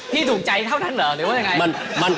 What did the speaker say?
ถูกใจเท่านั้นเหรอหรือว่ายังไง